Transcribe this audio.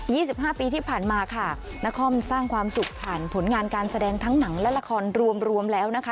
สิบห้าปีที่ผ่านมาค่ะนครสร้างความสุขผ่านผลงานการแสดงทั้งหนังและละครรวมรวมแล้วนะคะ